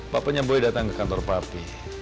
papanya boy datang ke kantor papi